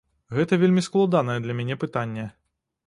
Гэта вельмі складанае для мяне пытанне.